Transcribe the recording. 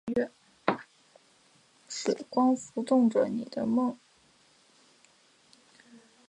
主要运营阿富汗国内的定期客运航班以及部分区域性国际航班业务。